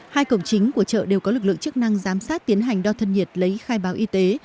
hai cổng chính của chợ đều có lực lượng chức năng giám sát tiến hành đo thân nhiệt lấy khai báo y tế